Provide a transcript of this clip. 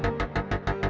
aku cinta sama putri tante